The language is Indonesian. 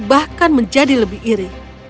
bahkan menjadi lebih iri